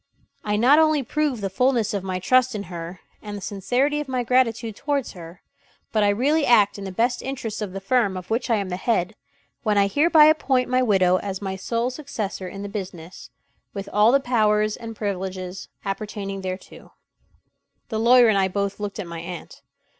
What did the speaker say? I not only prove the fullness of my trust in her and the sincerity of my gratitude towards her, but I really act in the best interests of the firm of which I am the head, when I hereby appoint my widow as my sole successor in the business, with all the powers and privileges appertaining thereto." The lawyer and I both looked at my aunt.